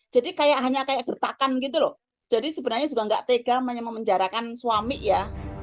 jadi kayak hanya kayak gertakan gitu loh jadi sebenarnya juga nggak tega memenjarakan suami ya